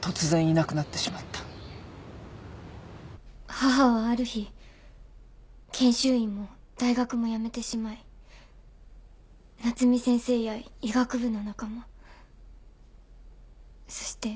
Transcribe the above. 母はある日研修医も大学も辞めてしまい夏海先生や医学部の仲間そして。